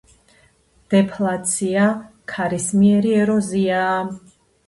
დეფლაცია-ქარისმიერი ეროზია